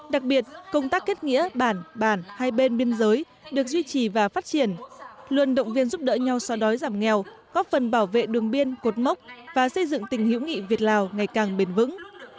đặc biệt công tác kết nghĩa bản bản hai bên biên giới được duy trì và phát triển luôn động viên giúp đỡ nhau so đói giảm nghèo góp phần bảo vệ đường biên cột mốc và xây dựng tình hữu nghị việt lào ngày càng bền vững